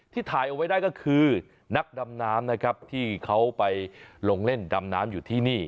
ถ่ายเอาไว้ได้ก็คือนักดำน้ำนะครับที่เขาไปลงเล่นดำน้ำอยู่ที่นี่